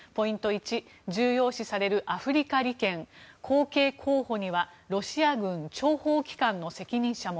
１重要視されるアフリカ利権後継候補にはロシア軍諜報機関の責任者も。